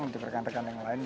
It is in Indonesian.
untuk rekan rekan yang lain